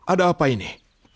ada apa ini